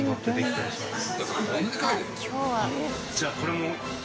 じゃあこれも。